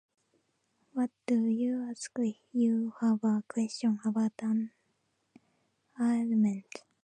What are you guys doing? You have a question about um...omelet?